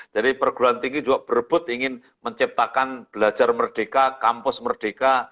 jadi perguruan tinggi juga berebut ingin menciptakan belajar merdeka kampus merdeka